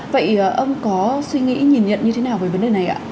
vậy ông có suy nghĩ nhìn nhận như thế nào về vấn đề này ạ